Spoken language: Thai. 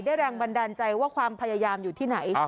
แรงบันดาลใจว่าความพยายามอยู่ที่ไหน